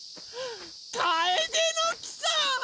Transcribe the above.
カエデの木さん！